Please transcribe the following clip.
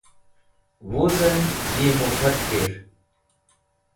Wuzem yi mufakkir.